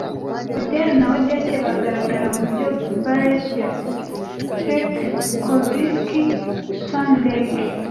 Odele na Odette bagaragara mubyo ballet ya Tchaikovsky Swan Lake